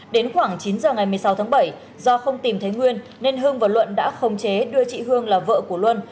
đến khoảng chín giờ ngày một mươi sáu tháng bảy do không tìm thấy nguyên nên hưng và luận đã không chế đưa chị hương là vợ của luân